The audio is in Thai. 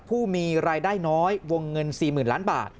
ผู้มีรายได้น้อยวงเงิน๔๐๐๐ล้านบาท